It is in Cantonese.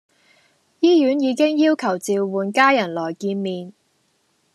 醫院已經要求召喚家人來見面